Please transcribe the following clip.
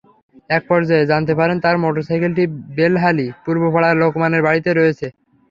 একপর্যায়ে জানতে পারেন, তাঁর মোটরসাইকেলটি বেলহালী পূর্ব পাড়ার লোকমানের বাড়িতে রয়েছে।